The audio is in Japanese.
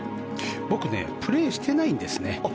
僕プレーしてないんですね。